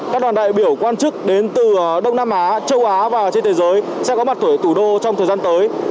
các đoàn đại biểu quan chức đến từ đông nam á châu á và trên thế giới sẽ có mặt ở thủ đô trong thời gian tới